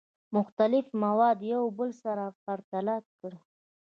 مختلف مواد یو بل سره پرتله کړئ.